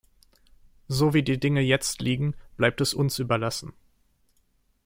So wie die Dinge jetzt liegen, bleibt es uns überlassen.